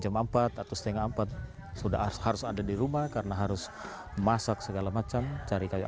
jempart atau setengah saya sudah bott seharus ada di rumah karena harus masak segala macem cari cari